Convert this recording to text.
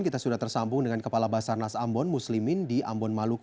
kita sudah tersambung dengan kepala basarnas ambon muslimin di ambon maluku